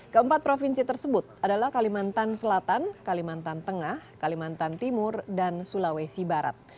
keempat provinsi tersebut adalah kalimantan selatan kalimantan tengah kalimantan timur dan sulawesi barat